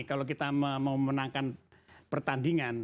kalau kita mau menangkan pertandingan